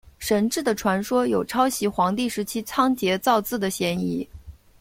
神志的传说有抄袭黄帝时期仓颉造字的嫌疑。